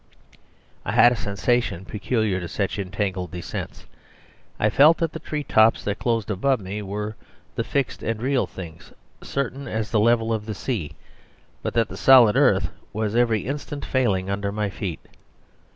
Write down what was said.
I had a sensation peculiar to such entangled descents; I felt that the treetops that closed above me were the fixed and real things, certain as the level of the sea; but that the solid earth was every instant failing under my feet.